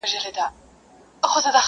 o زه پور غواړم، ته نور غواړې.